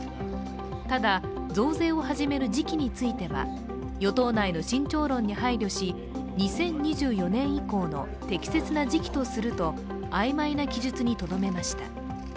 ただ、増税を始める時期については与党内の慎重論に配慮し２０２４年以降の適切な時期とすると曖昧な記述にとどめました。